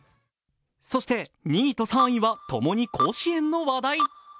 そして、２位と３位は共に甲子園の話題。